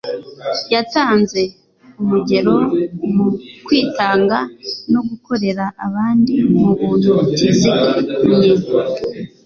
Yatanze umgero mu kwitanga no gukorera abandi mu buntu butizigamye.